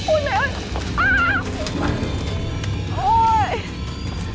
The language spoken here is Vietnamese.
ôi mẹ ơi